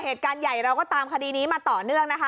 เหตุการณ์ใหญ่เราก็ตามคดีนี้มาต่อเนื่องนะคะ